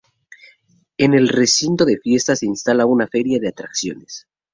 En el Recinto de Fiestas se instala una feria de atracciones.